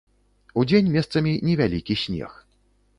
Удзень месцамі невялікі снег.